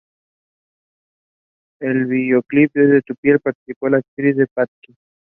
En el videoclip de "Tu piel" participó la actriz Elsa Pataky.